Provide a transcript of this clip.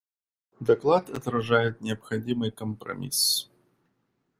Доклад отражает необходимый компромисс.